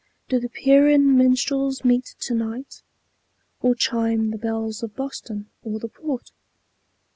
Do the Pierian minstrels meet to night? Or chime the bells of Boston, or the Port?